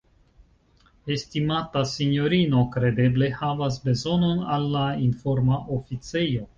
Estimata sinjorino kredeble havas bezonon al la informa oficejo?